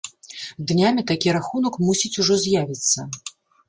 Днямі такі рахунак мусіць ужо з'явіцца.